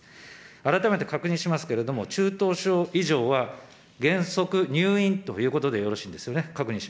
改めて確認しますけれども、中等症以上は原則入院ということでよろしいですよね。